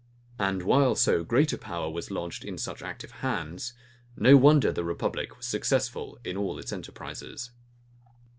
And while so great a power was lodged in such active hands, no wonder the republic was successful in all its enterprises.